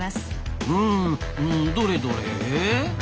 うんどれどれ？